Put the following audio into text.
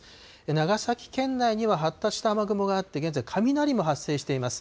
長崎県内には、発達した雨雲があって、現在雷も発生しています。